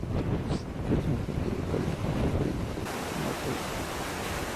Creció en San Diego, California, y fue educado de forma tradicional.